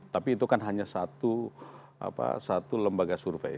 tapi itu kan hanya satu lembaga survei